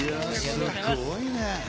すごいね。